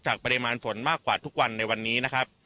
จากประดิมันฝนมากกว่าทุกวันในวันนี้